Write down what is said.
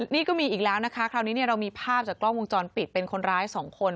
นี่ก็มีอีกแล้วนะคะคราวนี้เรามีภาพจากกล้องวงจรปิดเป็นคนร้าย๒คน